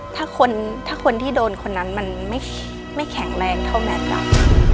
ถ้าคนถ้าคนที่โดนคนนั้นมันไม่ไม่แข็งแรงเท่าแม่กับ